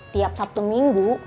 tiap sabtu minggu